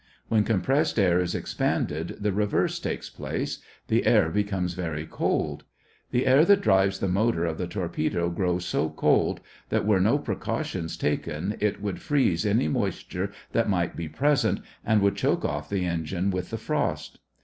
When compressed air is expanded, the reverse takes place, the air becomes very cold. The air that drives the motor of the torpedo grows so cold that were no precautions taken it would freeze any moisture that might be present and would choke up the engine with the frost.